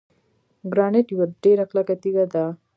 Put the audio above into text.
ګرانیټ یوه ډیره کلکه تیږه ده.